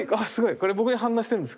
これ僕に反応してるんですか？